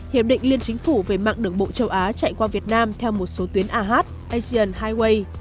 hiệp định liên chính phủ về mạng đường bộ châu á chạy qua việt nam theo một số tuyến a hat asean highway